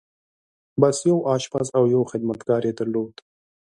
بس! يو آشپز او يو خدمتګار يې درلود.